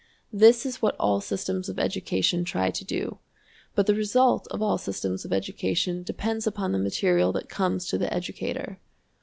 This is what all systems of education try to do, but the result of all systems of education depends upon the material that comes to the educator.